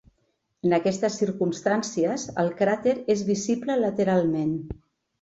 En aquestes circumstàncies el cràter és visible lateralment.